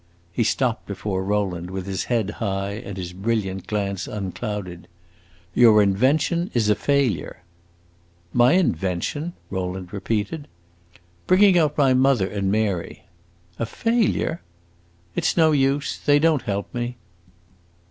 He stopped before Rowland with his head high and his brilliant glance unclouded. "Your invention is a failure!" "My invention?" Rowland repeated. "Bringing out my mother and Mary." "A failure?" "It 's no use! They don't help me."